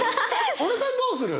小野さんどうする？